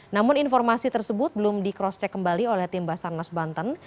namun informasi tersebut belum di cross check kembali oleh tim basarnas banten